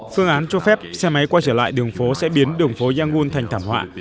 phương án cho phép xe máy qua trở lại đường phố sẽ biến đường phố yangon thành thảm họa